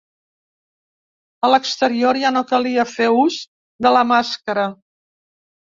A l’exterior ja no calia fer ús de la màscara.